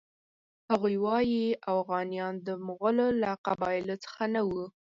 هغه وایي اوغانیان د مغولو له قبایلو څخه نه وو.